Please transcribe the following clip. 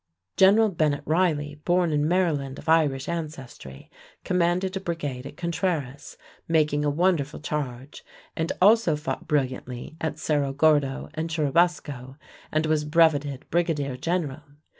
General Bennet Riley, born in Maryland of Irish ancestry, commanded a brigade at Contreras, making a wonderful charge, and also fought brilliantly at Cerro Gordo and Churubusco, and was brevetted brigadier general.